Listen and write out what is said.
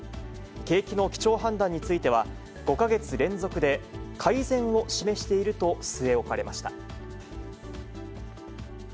景気の基調判断については、５か月連続で改善を示していると据え置かれました。